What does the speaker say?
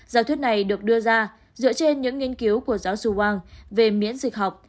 giáo thuyết này được đưa ra dựa trên những nghiên cứu của giáo su wang về miễn dịch học